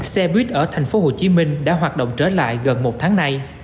xe buýt ở thành phố hồ chí minh đã hoạt động trở lại gần một tháng nay